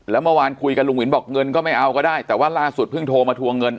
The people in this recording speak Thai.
แล้วเมื่อวานคุยกับลุงวินบอกเงินก็ไม่เอาก็ได้แต่ว่าล่าสุดเพิ่งโทรมาทวงเงิน